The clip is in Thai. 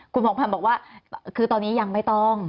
คุณผ่องพันธ์บอกว่าคือตอนนี้ยังไม่ต้อง